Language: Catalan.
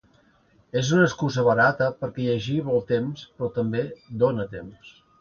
És una excusa barata, perquè llegir vol temps però també dona temps.